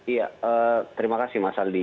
iya terima kasih mas aldi